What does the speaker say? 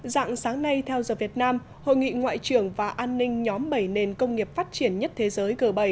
dạng sáng nay theo giờ việt nam hội nghị ngoại trưởng và an ninh nhóm bảy nền công nghiệp phát triển nhất thế giới g bảy